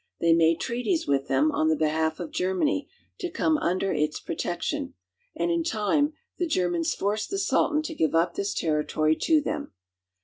They made treaties with them, on the behalf of Germany, to come under its protection ; and in time the Germans forced the Sultan to give up this territory to them.